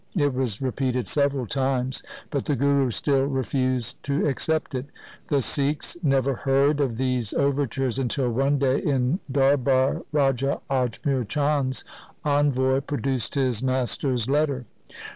It was repeated several times, but the Guru still refused to accept it. The Sikhs never heard of these overtures until one day in darbar Raja Ajmer Chand's envoy produced his master's letter.